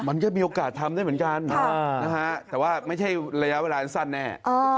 มันก็มีโอกาสทำได้เหมือนกันแต่ว่าไม่ใช่ระยะเวลาสั้นแน่